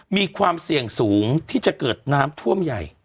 มีความเสี่ยงสูงที่จะเกิดน้ำท่วมใหญ่